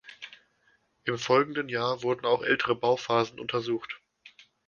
Im folgenden Jahr wurden auch ältere Bauphasen untersucht.